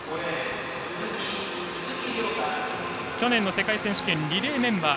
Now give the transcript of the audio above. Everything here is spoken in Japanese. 鈴木涼太は去年の世界選手権リレーメンバー。